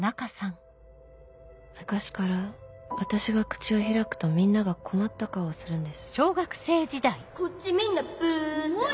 昔から私が口を開くとみんなが困った顔をするんです。